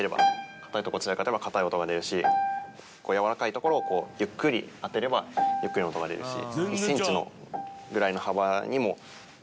硬いところ強く当てれば硬い音が出るし柔らかいところをゆっくり当てればゆっくりな音が出るし。